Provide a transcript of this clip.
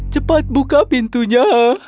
cepat buka pintunya